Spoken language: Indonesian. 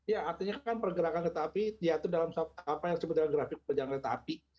ya artinya kan pergerakan kereta api diatur dalam apa yang disebut dengan grafik perjalanan kereta api